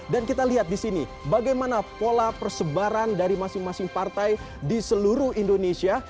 dan kita lihat di sini bagaimana pola persebaran dari masing masing partai di seluruh indonesia